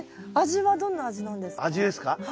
味はどんな味なんですか？